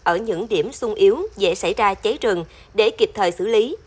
ở những điểm sung yếu dễ xảy ra cháy rừng để kịp thời xử lý